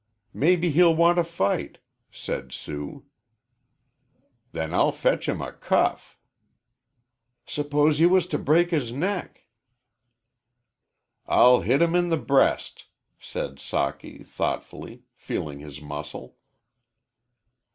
"Maybe he'll want to fight," said Sue. "Then I'll fetch him a cuff." "S'pose you was to break his neck?" "I'll hit him in the breast," said Socky, thoughtfully, feeling his muscle.